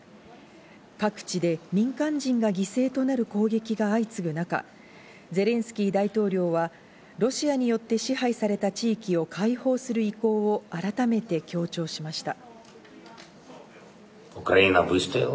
各地で民間人が犠牲となる攻撃が相次ぐ中、ゼレンスキー大統領は、ロシアによって支配された地域を解放する意向を改めて強調しました。